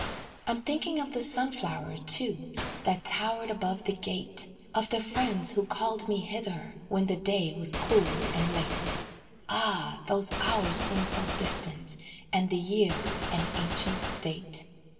I'm thinking of the sunflower, too, That towered above the gate; Of the friends who called me hither When the day was cool and late. Ah! those hours seem so distant And the year, an ancient date.